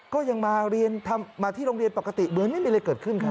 ก็ยังมาเรียนทำมาที่โรงเรียนปกติเหมือนไม่มีอะไรเกิดขึ้นครับ